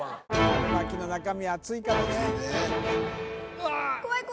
・春巻きの中身熱いからね。